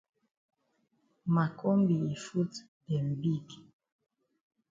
Ma kombi yi foot dem big.